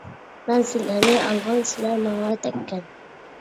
مەن سىلەرنى ئالغان، سىلەر ماڭا تەككەن.